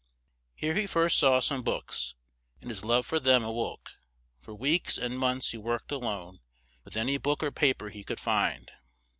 Here he first saw some books, and his love for them a woke; for weeks and months he worked a lone with an y book or pa per he could find.